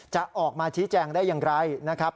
จะออกมาชี้แจงได้อย่างไรนะครับ